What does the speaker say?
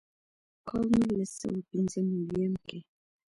کال نولس سوه پينځۀ نوي يم کښې